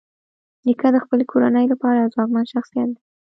نیکه د خپلې کورنۍ لپاره یو ځواکمن شخصیت دی.